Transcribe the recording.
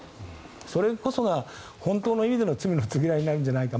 それこそが本当の意味での罪の償いになるのではないか。